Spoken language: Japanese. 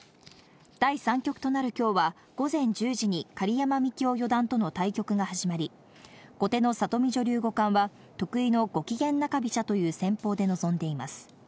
第３局となる今日は午前１０時に狩山幹生四段との対局が始まり、後手の里見女流五冠は得意のゴキゲン中飛車という戦法で臨んでいます。